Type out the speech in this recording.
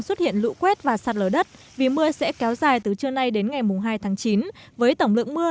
xuất hiện lũ quét và sạt lở đất vì mưa sẽ kéo dài từ trưa nay đến ngày hai tháng chín với tổng lượng mưa